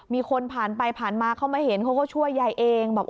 มีคนผ่านไปผ่านมาเขามาเห็นเขาก็ช่วยยายเองบอก